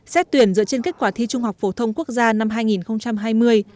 xét tuyển dựa trên kết quả thi trung học phổ thông quốc gia năm hai nghìn hai mươi